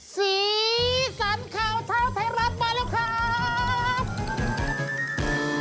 สีสันข่าวเช้าไทยรัฐมาแล้วครับ